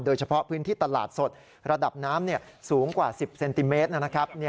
โดยเฉพาะพื้นที่ตลาดสดระดับน้ำสูงกว่า๑๐เซนติเมตรนะครับ